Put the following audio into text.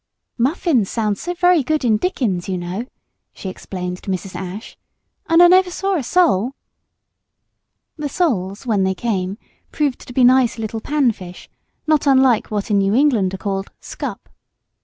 "Muffins sound so very good in Dickens, you know," she explained to Mrs. Ashe; "and I never saw a sole." The soles when they came proved to be nice little pan fish, not unlike what in New England are called "scup."